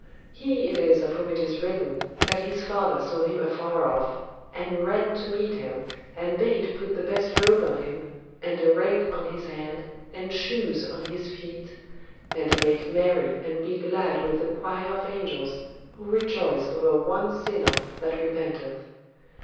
He it is of whom it is written that his father saw him afar off, and ran to meet him, and bade put the best robe on him, and a ring on his hand, and shoes on his feet, and make merry and be glad with the choir of angels who rejoice over one sinner that repenteth.